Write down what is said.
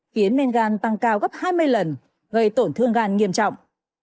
khiến men gan tăng cao gấp hai mươi lần gây tổn thương gan nghiêm trọng